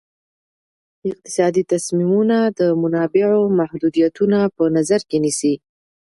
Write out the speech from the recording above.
اقتصادي تصمیمونه د منابعو محدودیتونه په نظر کې نیسي.